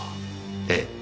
ええ。